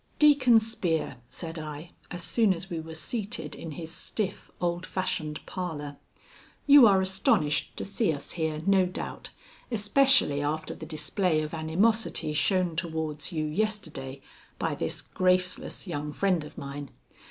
"Deacon Spear," said I, as soon as we were seated in his stiff old fashioned parlor, "you are astonished to see us here, no doubt, especially after the display of animosity shown towards you yesterday by this graceless young friend of mine.